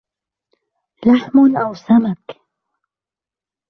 لحم أو سمك؟